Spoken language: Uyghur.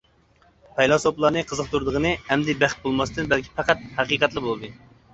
پەيلاسوپلارنى قىزىقتۇرىدىغىنى ئەمدى بەخت بولماستىن بەلكى پەقەت ھەقىقەتلا بولدى.